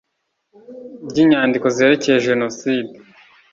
Ry inyandiko zerekeye jenoside